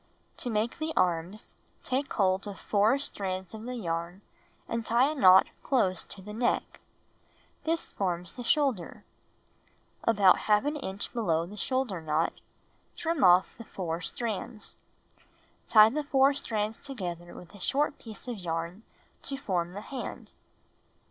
To make the arms, take hold of 4 strands of the yarn and tie a knot close to the neck. This forms the shoulder. About ^ inch below the shoulder knot, trim off the 4 strands. Tie the 4 strands together with a short piece of yam to form the hand.